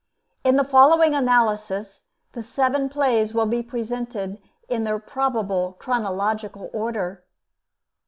In the following analysis the seven plays will be presented in their probable chronological order.